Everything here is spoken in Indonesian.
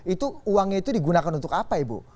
itu uangnya itu digunakan untuk apa ibu